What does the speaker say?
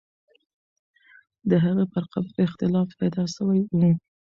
د هغې پر قبر اختلاف پیدا سوی وو.